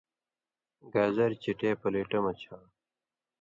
گازریۡ چِٹے پلیٹہ مہ چھا۔